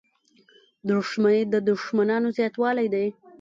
• دښمني د دوښمنانو زیاتوالی دی.